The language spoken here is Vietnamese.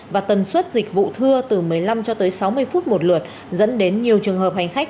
và tần suất dịch vụ thưa từ một mươi năm cho tới sáu mươi phút một lượt dẫn đến nhiều trường hợp hành khách